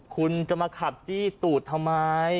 คุณจะมาขับจี้ตูดทำไม